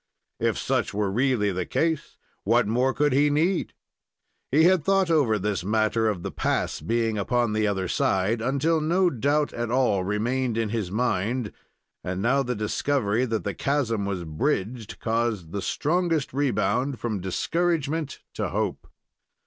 If such were really the case, what more could he need? He had thought over this matter of the pass being upon the other side, until no doubt at all remained in his mind, and now the discovery that the chasm was bridged caused the strongest rebound from discouragement to hope.